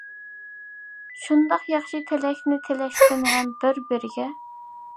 شۇنداق ياخشى تىلەكنى، تىلەشتى ھەم بىر بىرىگە.